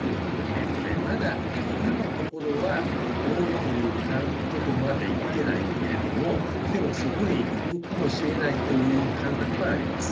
まだ今のところは多いということまでいってないけれども、でもそこへいくかもしれないという感覚があります。